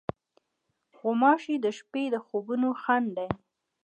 غوماشې د شپې د خوبو خنډ دي.